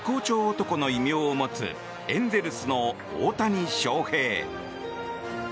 男の異名を持つエンゼルスの大谷翔平。